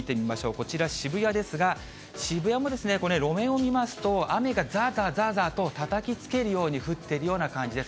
こちら渋谷ですが、渋谷も路面を見ますと、雨がざーざーざーざーと、たたきつけるように降ってるような感じです。